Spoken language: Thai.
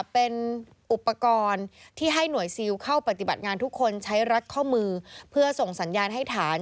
เป็นอุปกรณ์ที่ให้หน่วยซิลเข้าปฏิบัติงานทุกคนใช้รัดข้อมือเพื่อส่งสัญญาณให้ฐาน